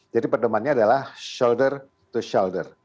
jadi pertemannya adalah shoulder to shoulder